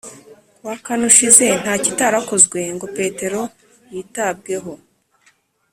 Ku wa kane ushize ntacyitarakozwe ngo Petero yitabweho